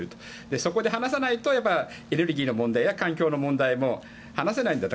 そこで話せないとエネルギーの問題や環境の問題も話せないと。